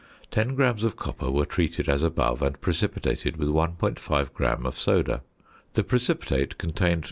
Ten grams of copper were treated as above and precipitated with 1.5 gram of "soda;" the precipitate contained 0.